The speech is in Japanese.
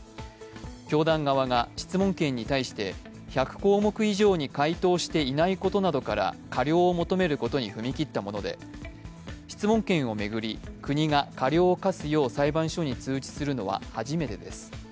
教団側が、質問権に対して１００項目以上に回答していないことなどから過料を求めることに踏み切ったもので、質問権を巡り、国が過料を科すよう裁判所に通知するのは初めてです。